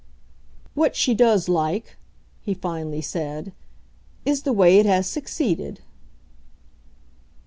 "What she does like," he finally said, "is the way it has succeeded."